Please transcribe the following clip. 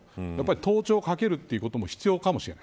盗聴を掛けるということも必要かもしれない。